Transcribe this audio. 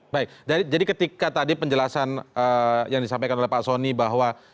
baik jadi ketika tadi penjelasan yang disampaikan oleh pak soni bahwa